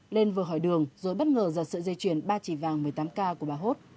lên vừa hỏi đường rồi bất ngờ giật sợi dây chuyền ba chỉ vàng một mươi tám k của bà hốt